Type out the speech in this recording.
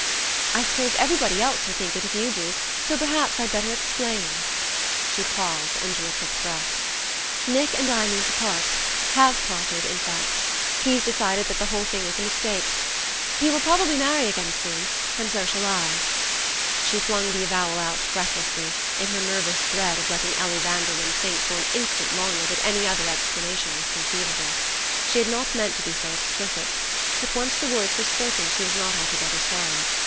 "I suppose everybody else will think it if you do; so perhaps I'd better explain." She paused, and drew a quick breath. "Nick and I mean to part have parted, in fact. He's decided that the whole thing was a mistake. He will probably; marry again soon and so shall I." She flung the avowal out breathlessly, in her nervous dread of letting Ellie Vanderlyn think for an instant longer that any other explanation was conceivable. She had not meant to be so explicit; but once the words were spoken she was not altogether sorry.